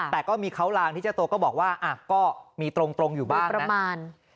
แต่ก็มีเขาลางที่เจ้าตัวก็บอกว่าก็มีตรงอยู่บ้างประมาณ